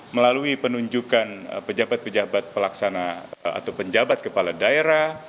melalui penunjukan pejabat pejabat pelaksana atau penjabat kepala daerah